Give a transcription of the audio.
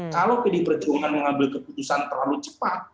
kalau pdip perjuangan mengambil keputusan terlalu cepat itu bisa menjadi pemerangan